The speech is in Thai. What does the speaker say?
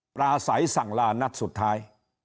ปลาใสสั่งลานัดสุดท้าย